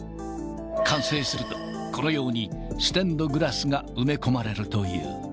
完成すると、このように、ステンドグラスが埋め込まれるという。